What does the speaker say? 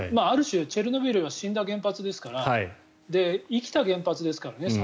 ある種、チェルノブイリは死んだ原発ですから生きた原発ですからね。